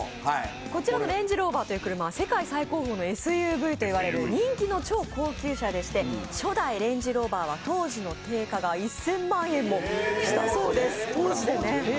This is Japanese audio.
こちらのレンジローバーという車は世界最高峰のＳＵＶと言われる人気の超高級車でして初代レンジローバーは当時の定価が１０００万円もしたそうです。